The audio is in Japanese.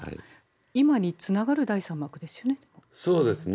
今につながる第三幕ですよね。